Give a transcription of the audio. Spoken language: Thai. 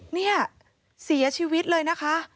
เนี่ยเสียชีวิตเลยนะคะ